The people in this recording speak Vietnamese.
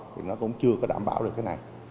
thì nó cũng chưa có đảm bảo được cái này